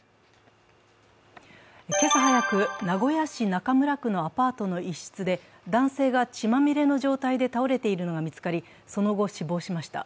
今朝早く、名古屋市中村区のアパートの一室で男性が血まみれの状態で倒れているのが見つかり、その後、死亡しました。